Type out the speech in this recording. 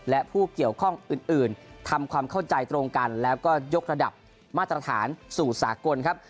และผู้เกี่ยวข้องอื่นทำความเข้าใจตรงกันแล้วก็ยกระดับมาตรฐานสู่สากลครับ